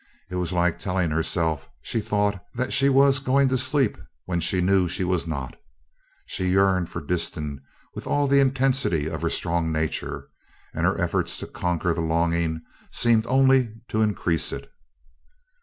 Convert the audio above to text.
It was like telling herself, she thought, that she was going to sleep when she knew she was not. She yearned for Disston with all the intensity of her strong nature, and her efforts to conquer the longing seemed only to increase it.